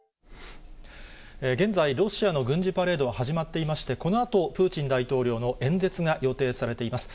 現在、ロシアの軍事パレードは始まっていまして、このあと、プーチン大統領の演説が予定されています。